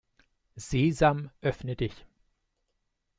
Sesam, öffne dich!